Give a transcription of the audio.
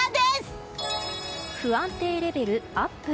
不安定レベルアップ。